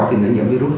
thì nó nhiễm virus